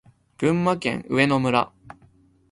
群馬県上野村